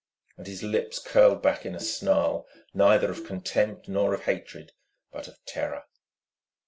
And his lips curled back in a snarl neither of contempt nor of hatred but of terror.